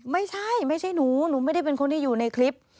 ไม่ใช่ไม่ใช่หนูหนูไม่ได้เป็นคนที่อยู่ในคลิป